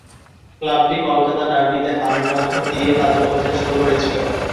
ক্লাবটি কলকাতা ডার্বিতে হারের মধ্য দিয়ে তাদের অভিযান শুরু করেছিল।